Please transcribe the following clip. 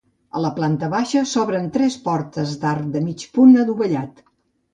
A la planta baixa s'obren tres portes d'arc de mig punt adovellat.